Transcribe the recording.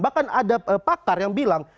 bahkan ada pakar yang bilang